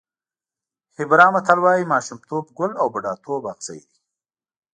هېبرا متل وایي ماشومتوب ګل او بوډاتوب اغزی دی.